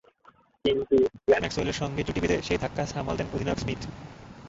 কিন্তু গ্লেন ম্যাক্সওয়েলের সঙ্গে জুটি বেঁধে সেই ধাক্কা সালাম দেন অধিনায়ক স্মিথ।